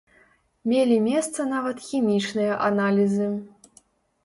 Мелі месца нават хімічныя аналізы.